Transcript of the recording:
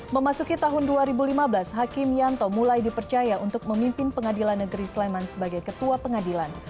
memasuki tahun dua ribu lima belas hakim yanto mulai dipercaya untuk memimpin pengadilan negeri sleman sebagai ketua pengadilan